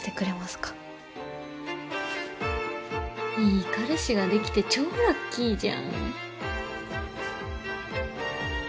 いい彼氏ができて超ラッキーじゃん。